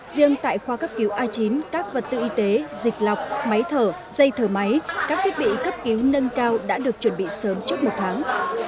riêng tại khoa cấp cứu a chín các vật tư y tế dịch lọc máy thở dây thở máy các thiết bị cấp cứu nâng cao đã được chuẩn bị sớm trước một tháng